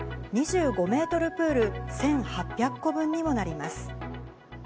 ２５メートルプール１８００個分にもなります。